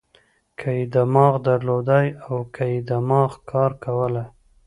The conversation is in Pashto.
که یې دماغ درلودای او که یې دماغ کار کولای.